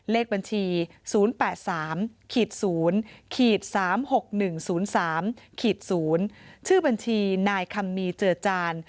เลขบัญชี๐๘๓๐๓๖๑๐๓๐ชื่อบัญชีนายคัมมีเจือจาน